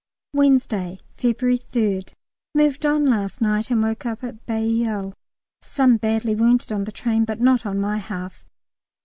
Wednesday, February 3rd. Moved on last night, and woke up at Bailleul. Some badly wounded on the train, but not on my half.